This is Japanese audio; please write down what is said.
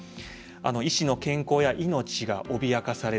医師の健康や命がおびやかされる。